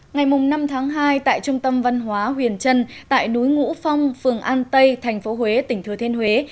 ngày năm tháng hai tại trung tâm văn hóa huyền trân tại núi ngũ phong phường an tây thành phố huế tỉnh thừa thiên huế